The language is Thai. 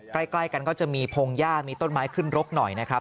ใกล้กันก็จะมีพงหญ้ามีต้นไม้ขึ้นรกหน่อยนะครับ